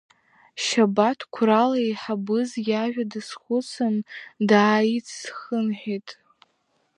Шьабаҭ қәрала иеиҳабыз иажәа дазхәыцны дааицхынҳәит.